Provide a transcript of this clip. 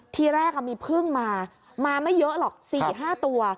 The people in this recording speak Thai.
ทีแรกมีพึ่งมามาไม่เยอะหรอก๔๕ตัว